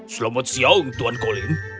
selamat siang tuan colin